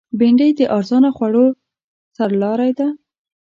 بېنډۍ د ارزانه خوړو سرلاری ده